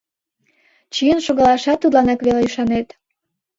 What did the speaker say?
Чиен шогалашат тудланак веле ӱшанет.